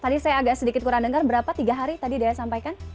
tadi saya agak sedikit kurang dengar berapa tiga hari tadi daya sampaikan